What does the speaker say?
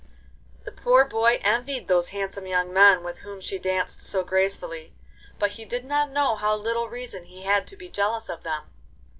The poor boy envied those handsome young men with whom she danced so gracefully, but he did not know how little reason he had to be jealous of them.